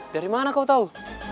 dari mana kau tau